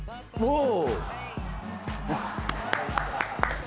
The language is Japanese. おお。